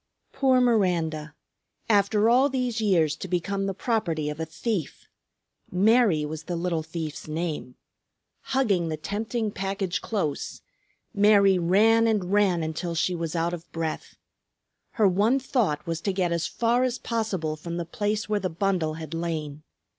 Poor Miranda! After all these years to become the property of a thief! Mary was the little thief's name. Hugging the tempting package close, Mary ran and ran until she was out of breath. Her one thought was to get as far as possible from the place where the bundle had lain.